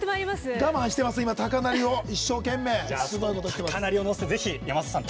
我慢してます、高鳴りを一生懸命。